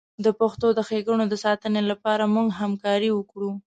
د پښتو د ښیګڼو د ساتنې لپاره موږ همکاري وکړو.